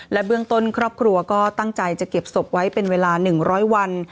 เบื้องต้นครอบครัวก็ตั้งใจจะเก็บศพไว้เป็นเวลา๑๐๐วัน